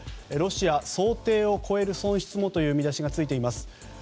ロシア想定を超える損失もという見出しがついています。